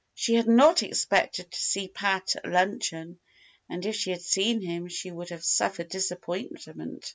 She had not expected to see Pat at luncheon, and if she had seen him, she would have suffered disappointment.